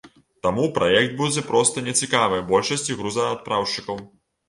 Таму праект будзе проста не цікавы большасці грузаадпраўшчыкаў.